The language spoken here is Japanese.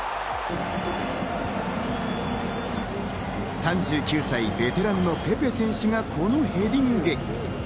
３９歳、ベテランのペペ選手がこのヘディング。